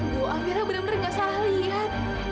bu amira bener bener gak salah lihat